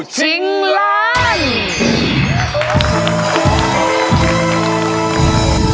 ชิงล้าน